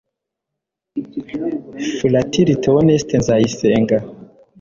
fratri théoneste nzayisenga